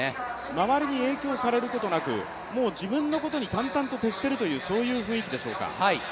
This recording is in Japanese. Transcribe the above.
周りに影響されることなくもう自分のことに淡々と徹しているということでしょうか。